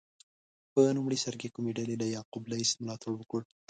په لومړي سر کې کومې ډلې له یعقوب لیث ملاتړ وکړ؟